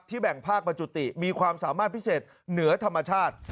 แบ่งภาคบรรจุติมีความสามารถพิเศษเหนือธรรมชาติ